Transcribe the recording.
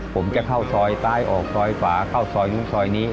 ผมจะเข้าซอยซ้ายออกซอยขวาเข้าซอยนู้นซอยนี้